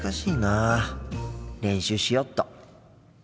練習しよっと。